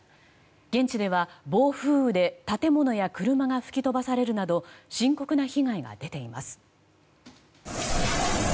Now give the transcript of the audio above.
現地では暴風雨で建物や車が吹き飛ばされるなど深刻な被害が出ています。